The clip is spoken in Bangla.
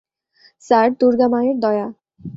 স্যার, দুর্গা মায়ের দয়া।